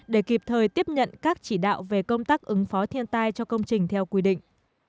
để kịp thời tiếp nhận các chỉ đạo về công tác ứng phó thiên tai cho công trình theo quy định